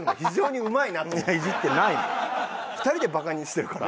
２人でバカにしてるから。